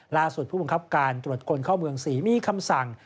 ผู้บังคับการตรวจคนเข้าเมือง๔มีคำสั่ง